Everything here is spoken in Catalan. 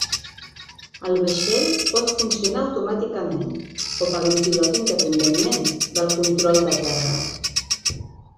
El vaixell pot funcionar automàticament, o per un pilot independentment del control de terra.